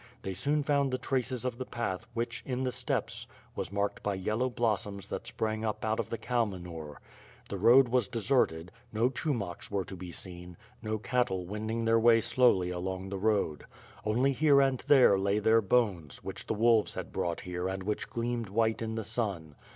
They soon found the traces of the path which, in the steppes, was marked by yellow blossoms that sprang up out of the cow manure. The road was deserted, no Chumaks were to be seen; no cattle wending their way slowly along the road. Only here and there, lay their bones, which the wolves had brought here and which gleamed white in the sun.